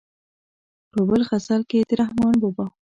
په بل غزل کې د رحمان بابا.